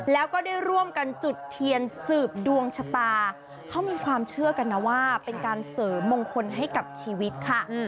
แล้วก็ได้ร่วมกันจุดเทียนสืบดวงชะตาเขามีความเชื่อกันนะว่าเป็นการเสริมมงคลให้กับชีวิตค่ะ